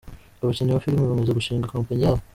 Abakinnyi ba filimi bamaze gushinga companyi yabo